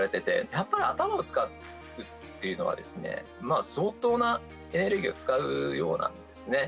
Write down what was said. やっぱり頭を使うっていうのはですね、相当なエネルギーを使うようなんですね。